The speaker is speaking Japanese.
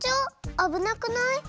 あぶなくない？